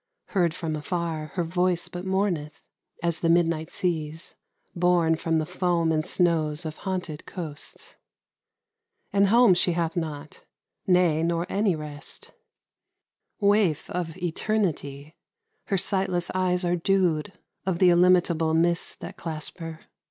Heard from afar, Her voice but mourneth, as the midnight sea's, Borne from the foam and snows of haunted coasts. And home she hath not nay, nor any rest. 93 MUSIC. Waif of eternity, her sightless eyes Are dewed of the illimitable mists That clasp her.